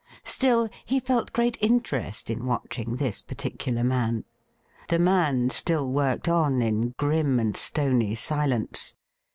Still, he felt great interest in watching this particular man. The man still worked on in grim and stony silence.